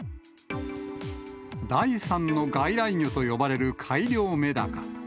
第３の外来魚と呼ばれる改良メダカ。